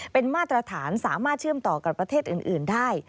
เป็นมาตรฐานสามารถเชื่อมต่อกับประเทศอื่นได้